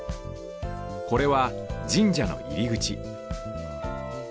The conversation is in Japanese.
これは神社のいりぐち